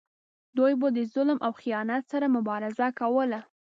دوی به د ظلم او خیانت سره مبارزه کوله.